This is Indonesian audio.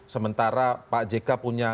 sementara pak jk punya